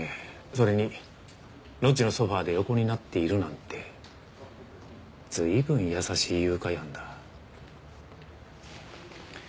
それにロッジのソファで横になっているなんて随分優しい誘拐犯だ。